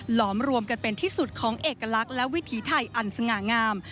อมรวมกันเป็นที่สุดของเอกลักษณ์และวิถีไทยอันสง่างาม